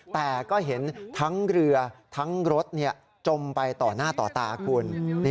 แต่ก็เห็นทั้งเรือทั้งรถจมไปต่อหน้าต่อตาคุณ